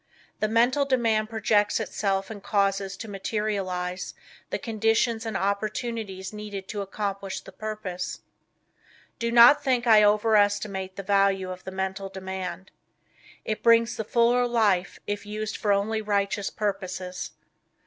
The mental demand projects itself and causes to materialize the conditions and opportunities needed to accomplish the purpose. Do not think I over estimate the value of the Mental Demand. It brings the fuller life if used for only righteous purposes.